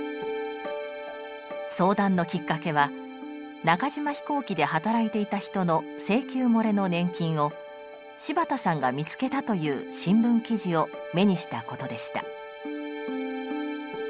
相談のきっかけは中島飛行機で働いていた人の請求もれの年金を柴田さんが見つけたという新聞記事を目にしたことでした。